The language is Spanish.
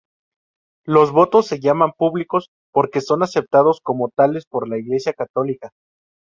Los votos se llaman públicos porque son aceptados como tales por la Iglesia católica.